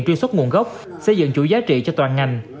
truyền xuất nguồn gốc xây dựng chủ giá trị cho toàn ngành